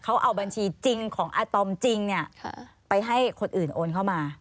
เขาเอาบัญชีจริงของอาตอมจริงไปให้คนอื่นโอนเข้ามา